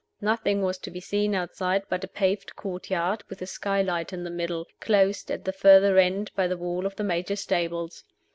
Nothing was to be seen outside but a paved courtyard, with a skylight in the middle, closed at the further end by the wall of the Major's stables.